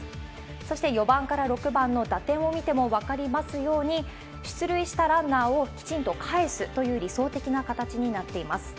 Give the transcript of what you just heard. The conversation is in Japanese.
そして、４番から６番の打点を見ても分かりますように、出塁したランナーをきちんとかえすという理想的な形になっています。